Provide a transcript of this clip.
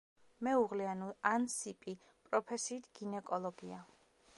მეუღლე ანუ ანსიპი პროფესიით გინეკოლოგია.